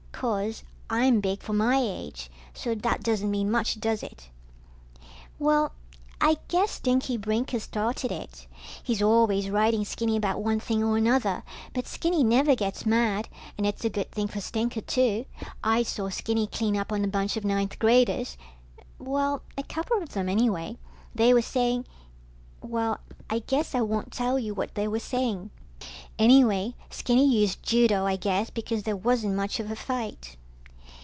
'Course, I'm big for my age, so that doesn't mean much, does it? Well, I guess Stinker Brinker started it. He's always riding Skinny about one thing or another, but Skinny never gets mad and it's a good thing for Stinker, too. I saw Skinny clean up on a bunch of ninth graders ... Well, a couple of them anyway. They were saying ... Well, I guess I won't tell you what they were saying. Anyway, Skinny used judo, I guess, because there wasn't much of a fight.